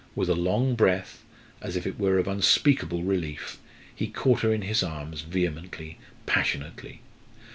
With a long breath, as it were of unspeakable relief, he caught her in his arms vehemently, passionately.